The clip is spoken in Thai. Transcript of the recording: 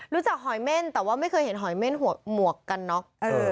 หอยเม่นแต่ว่าไม่เคยเห็นหอยเม่นหมวกกันน็อก